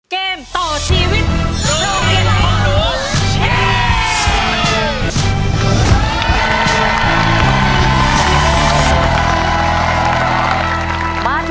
เกมต่อชีวิตโลกอย่างไรของหนู